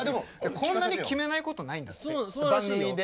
こんなに決めない事ないんだって番組で。